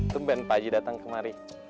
tungguin pak haji datang kemari